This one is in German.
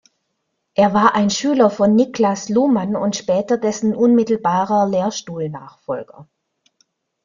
Er war ein Schüler von Niklas Luhmann und später dessen unmittelbarer Lehrstuhlnachfolger.